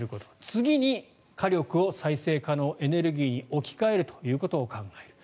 次に火力を再生可能エネルギーに置き換えるということを考える。